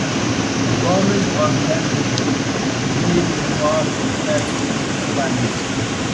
The government was then Liberal, with William Ewart Gladstone as Prime Minister.